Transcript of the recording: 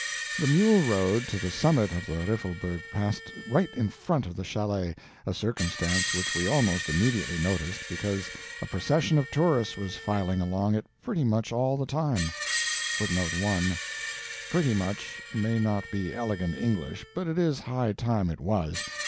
The mule road to the summit of the Riffelberg passed right in front of the chalet, a circumstance which we almost immediately noticed, because a procession of tourists was filing along it pretty much all the time. "Pretty much" may not be elegant English, but it is high time it was.